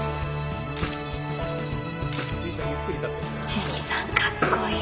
ジュニさんかっこいい。